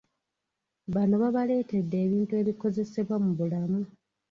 Bano babaleetedde ebintu ebikozesebwa mu bulamu.